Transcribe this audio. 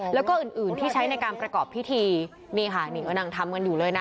แล้วก็อื่นอื่นที่ใช้ในการประกอบพิธีนี่ค่ะนี่ก็นั่งทำกันอยู่เลยนะ